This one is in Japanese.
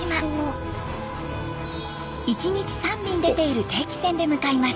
１日３便出ている定期船で向かいます。